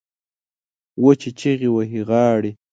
وچې چیغې وهي غاړې